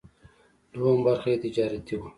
دوهمه برخه یې تجارتي وه.